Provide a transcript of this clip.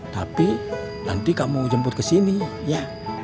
tapi nanti kamu jemput ke sini ya